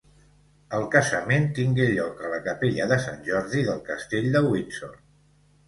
El casament tingué lloc a la Capella de Sant Jordi del castell de Windsor.